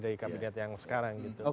dari kabinet yang sekarang